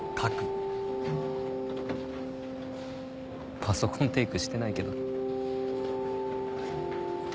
パソコンテイクしてないけど。